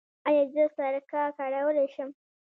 ایا زه سرکه کارولی شم؟